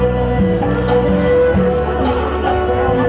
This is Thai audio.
สวัสดี